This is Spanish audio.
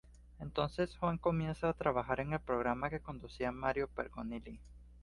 Entonces Juan comienza a trabajar en el programa que conducía Mario Pergolini.